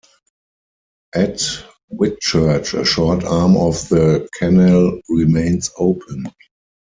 At Whitchurch a short arm of the canal remains open.